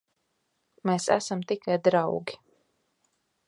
Mēs esam tikai draugi.